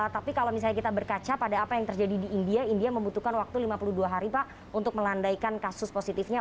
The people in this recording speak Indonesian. tapi kalau misalnya kita berkaca pada apa yang terjadi di india india membutuhkan waktu lima puluh dua hari pak untuk melandaikan kasus positifnya